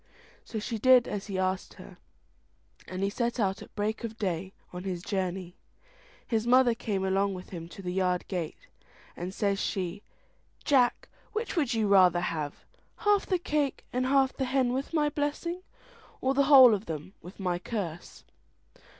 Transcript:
So she did as he asked her, and he set out at break of day on his journey. His mother came along with him to the yard gate, and says she, "Jack, which would you rather have, half the cake and half the hen with my blessing, or the whole of 'em with my curse?"